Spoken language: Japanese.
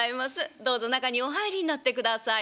どうぞ中にお入りになってください」。